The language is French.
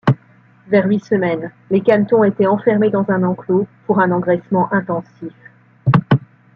Vers huit semaines, les canetons étaient enfermés dans un enclos pour un engraissement intensif.